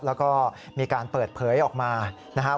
แล้วก็มีการเปิดเผยออกมานะครับ